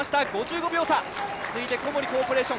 ５５秒差、次いで小森コーポレーション。